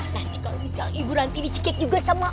nah kalau misalnya ibu ranti dicekik juga sama